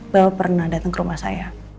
bahwa pernah datang ke rumah saya